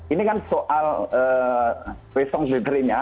ini kan soal wesong jenisnya